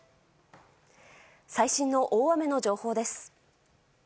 最新の大雨の情報です。